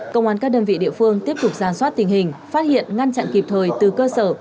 công an các đơn vị địa phương tiếp tục ra soát tình hình phát hiện ngăn chặn kịp thời từ cơ sở